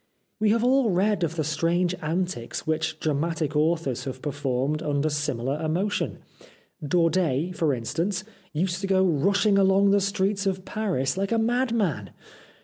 We have all read of the strange antics which dramatic authors have performed under similar emotion. Daudet, for instance, used to go rushing along the streets of Paris like a madman.